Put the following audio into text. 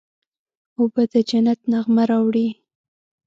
اوبه د جنت نغمه راوړي.